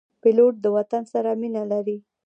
پیلوټ د وطن سره مینه لري.